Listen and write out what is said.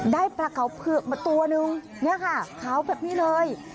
ได้ปลาเก๋าเผือกมาตัวนึงเนี่ยค่ะขาวแบบนี้เลย